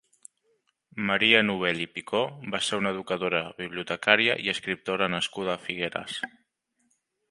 Maria Novell i Picó va ser una educadora, bibliotecària i escriptora nascuda a Figueres.